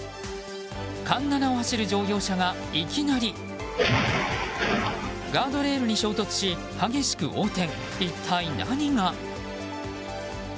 環七を走る乗用車がいきなりガードレールに衝突し激しく横転。